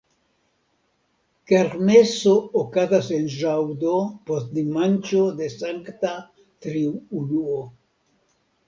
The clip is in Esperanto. Kermeso okazas en ĵaŭdo post dimanĉo de Sankta Triunuo.